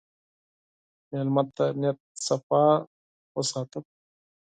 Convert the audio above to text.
مېلمه ته نیت پاک وساته.